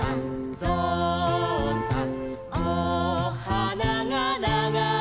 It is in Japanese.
「ぞうさん